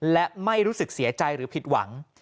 และไม่รู้สึกเสียใจหรือผิดหวัง